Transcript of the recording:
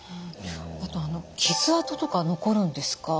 あと傷あととか残るんですか？